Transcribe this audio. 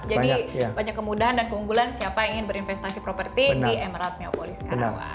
jadi banyak kemudahan dan keunggulan siapa ingin berinvestasi properti di emerald neopolis kerawang